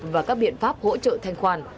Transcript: và các biện pháp hỗ trợ thanh khoản